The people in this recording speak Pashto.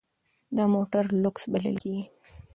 دا موټر لوکس بلل کیږي.